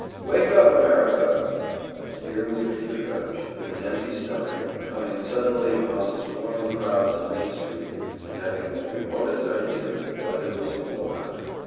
"Wake up America!" And here was Peter Gudge, with an empty stomach, coming suddenly upon the swarming crowds in Main Street, and having no remotest idea what it was all about.